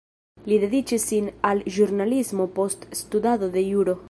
Li dediĉis sin al ĵurnalismo post studado de juro.